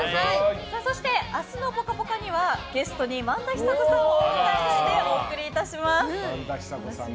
そして、明日の「ぽかぽか」にはゲストに萬田久子さんを迎えてお送りいたします。